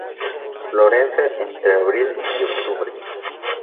Florece entre abril y octubre.